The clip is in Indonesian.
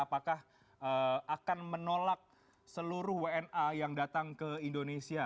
apakah akan menolak seluruh wna yang datang ke indonesia